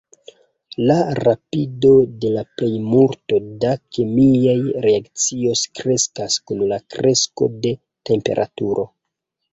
La rapido de la plejmulto da kemiaj reakcioj kreskas kun la kresko de temperaturo.